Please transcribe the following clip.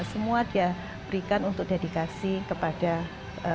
semua dia berikan untuk dedikasi kepada masyarakat